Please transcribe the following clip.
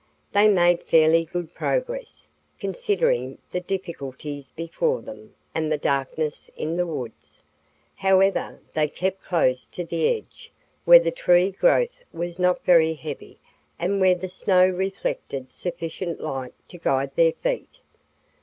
They made fairly good progress, considering the difficulties before them and the darkness in the woods. However, they kept close to the edge, where the tree growth was not very heavy and where the snow reflected sufficient light to guide their feet.